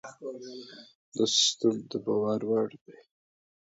دا سیستم باور وړ دی.